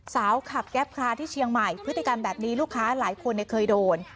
สาวขับแก๊ปคลาที่เชียงใหม่พฤติกรรมแบบนี้ลูกค้าหลายคนเคยโดน